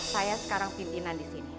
saya sekarang pimpinan di sini